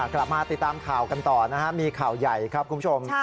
กลับมาติดตามข่าวกันต่อนะครับมีข่าวใหญ่ครับคุณผู้ชม